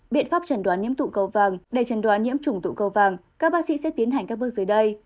biện pháp trần đoán nhiễm tụ cầu vang để trần đoán nhiễm trùng tụ cầu vang các bác sĩ sẽ tiến hành các bước dưới đây